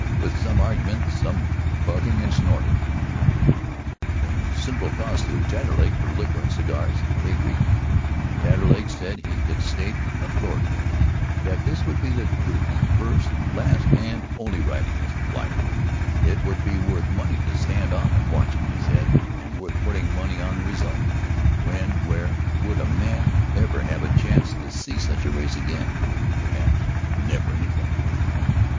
With some argument, some bucking and snorting, a considerable cost to Taterleg for liquor and cigars, they agreed to it. Taterleg said he could state, authoritatively, that this would be the Duke's first, last, and only ride against the flier. It would be worth money to stand off and watch it, he said, and worth putting money on the result. When, where, would a man ever have a chance to see such a race again? Perhaps never in his life.